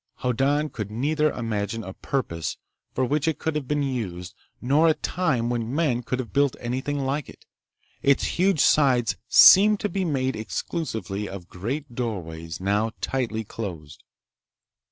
Hoddan could neither imagine a purpose for which it could have been used, nor a time when men would have built anything like it. Its huge sides seemed to be made exclusively of great doorways now tightly closed.